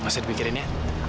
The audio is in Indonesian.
masih dipikirin ya